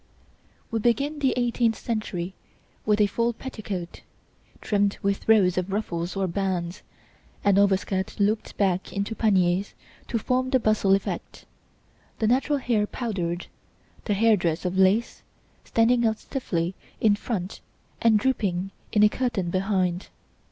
We begin the eighteenth century with a full petticoat, trimmed with rows of ruffles or bands; an overskirt looped back into paniers to form the bustle effect; the natural hair powdered; and head dress of lace, standing out stiffly in front and drooping in a curtain behind.